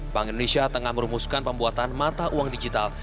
bank indonesia tengah merumuskan pembuatan mata uang digital